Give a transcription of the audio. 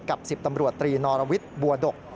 ๑๐ตำรวจตรีนอรวิทย์บัวดก